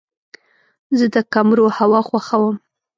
زه د کمرو هوا خوښوم.